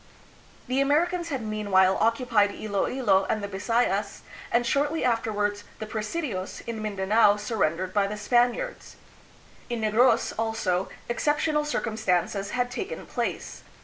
The Americans had mean while occupied Iloilo and the Bisayas, and shortly after wards the presidios in Mindanao surrendered by the Spaniards. In Negros, also, exceptional circumstances had taken place.